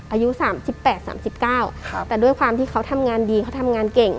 อายุสามสิบแปดสามสิบเก้าครับแต่ด้วยความที่เขาทำงานดีเขาทำงานเก่ง